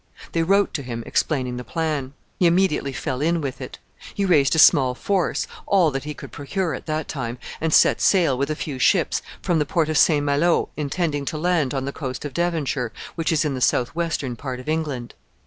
They wrote to him, explaining the plan. He immediately fell in with it. He raised a small force all that he could procure at that time and set sail, with a few ships, from the port of St. Malo, intending to land on the coast of Devonshire, which is in the southwestern part of England.